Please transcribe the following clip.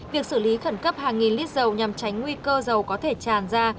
việc xử lý khẩn cấp hàng nghìn lít dầu nhằm tránh nguy cơ dầu có thể tràn ra